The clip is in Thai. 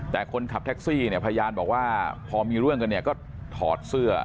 แต่คนขับแท็กซี่พยานบอกว่าพอมีเรื่องกันก็ถอดเสื้อ